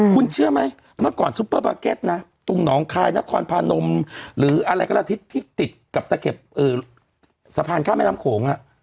คุณเชื่อไหมเมื่อก่อนซุปเปอร์มาร์เก็ตนะตรงหนองคายนครพานมหรืออะไรก็แล้วทิศที่ติดกับตะเข็บสะพานข้ามแม่น้ำโขง